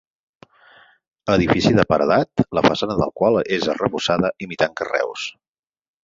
Edifici de paredat, la façana del qual és arrebossada imitant carreus.